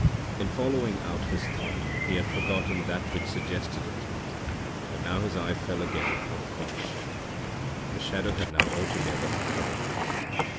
< 5 > In following out his thought he had forgotten that which suggested it; but now his eye fell again upon the corpse. The shadow had now altogether uncovered it.